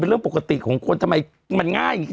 เป็นเรื่องปกติของคนมันง่าย